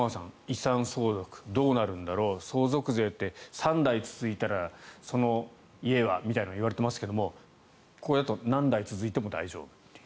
遺産相続、どうなるんだろう相続税って３代続いたらその家はみたいなことが言われていますがこれだと何代続いても大丈夫と。